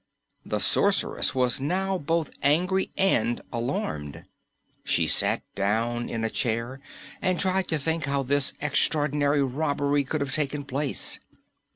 The Sorceress has now both angry and alarmed. She sat down in a chair and tried to think how this extraordinary robbery could have taken place.